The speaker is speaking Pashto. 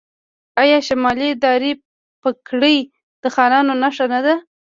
آیا شملې دارې پګړۍ د خانانو نښه نه ده؟